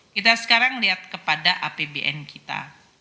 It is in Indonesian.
kita sekarang lihat kepada apbn kita